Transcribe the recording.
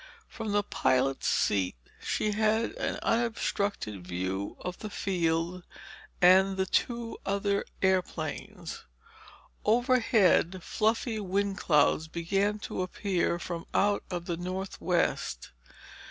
From the pilot's seat she had an unobstructed view of the field and the two other airplanes. Overhead, fluffy wind clouds began to appear from out of the northwest.